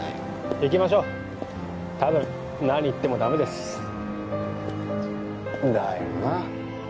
行きましょうたぶん何言ってもダメですだよな